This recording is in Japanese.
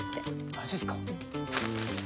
マジっすか？